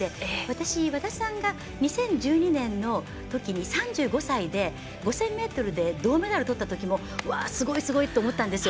私、和田さんが２０１２年のときに３５歳で５０００ｍで銅メダルをとったときもわー、すごいすごいって思ったんです。